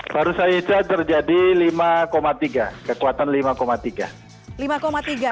baru saja terjadi lima tiga kekuatan lima tiga